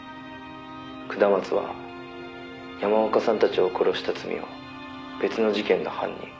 「下松は山岡さんたちを殺した罪を別の事件の犯人